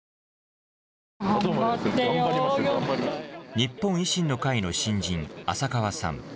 日本維新の会の新人、浅川さん。